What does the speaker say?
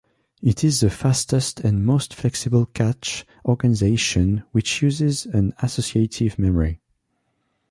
It is the fastest and most flexible cache organization which uses an associative memory.